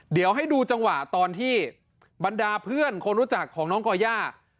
เดี๋ยวให้ดูจังหวะตอนที่บรรดาเพื่อนคนรู้จักของน้องก่อย่า